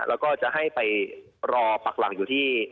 แล้วก็จะให้ไปรอปักหลักอยู่ที่